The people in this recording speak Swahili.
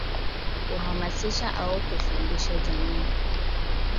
Kuhamasisha au kufundisha jamii